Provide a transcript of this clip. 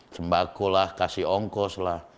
sembako lah kasih ongkos lah